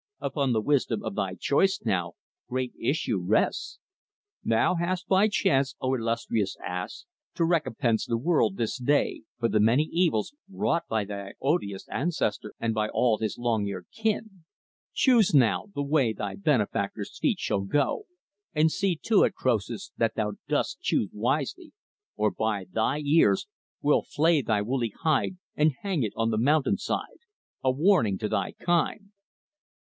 Upon the wisdom of thy choice, now, great issue rests. Thou hast thy chance, O illustrious ass, to recompense the world, this day, for the many evils wrought by thy odious ancestor and by all his long eared kin. Choose, now, the way thy benefactors' feet shall go; and see to it, Croesus, that thou dost choose wisely; or, by thy ears, we'll flay thy woolly hide and hang it on the mountainside a warning to thy kind."